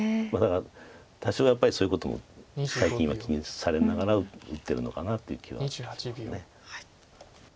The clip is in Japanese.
多少やっぱりそういうことも最近は気にされながら打ってるのかなっていう気はします。